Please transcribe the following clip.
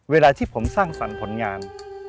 เวลาที่ผมสร้างสรรค์ผลงาน